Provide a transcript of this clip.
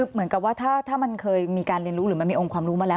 เหมือนกับว่าถ้ามันเคยมีการเรียนรู้หรือมันมีองค์ความรู้มาแล้ว